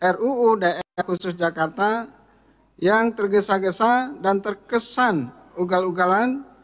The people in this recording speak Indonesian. ruu daerah khusus jakarta yang tergesa gesa dan terkesan ugal ugalan